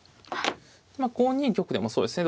５二玉でもそうですね。